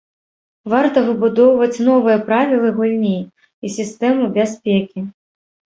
Варта выбудоўваць новыя правілы гульні і сістэму бяспекі.